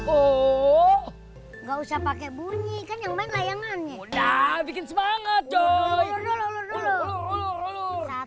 oh nggak usah pakai bunyi kan lumayan aja udah malem nih ya